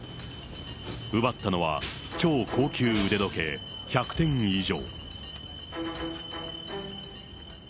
奪ったのは超高級腕時計１００点以上。